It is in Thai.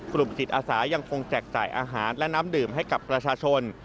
กลุ่มจิตอาสายังคงแจกจ่ายอาหารและน้ำดื่มให้กับประชาชน